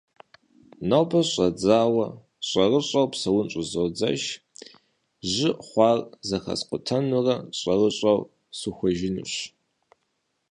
Нобэ щыщӏэдзауэ, щӏэрыщӏэу псэун щӏызодзэж. Жьы хъуар зэхэскъутэнурэ щӏэрыщӏэу сухуэжынущ.